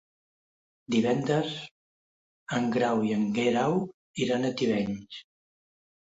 Divendres en Grau i en Guerau iran a Tivenys.